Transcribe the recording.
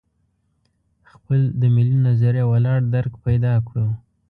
خپل د ملي نظریه ولاړ درک پیدا کړو.